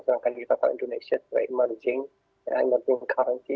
sedangkan di asal indonesia emerging currency riskier currency